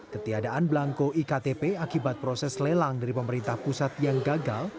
ketiadaan belangko iktp akibat proses lelang dari pemerintah pusat yang gagal